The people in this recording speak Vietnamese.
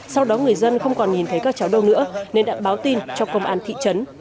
sau đó người dân không còn nhìn thấy các cháu đâu nữa nên đã báo tin cho công an thị trấn